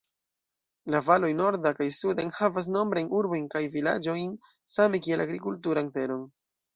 La valoj norda kaj suda enhavas nombrajn urbojn kaj vilaĝojn same kiel agrikulturan teron.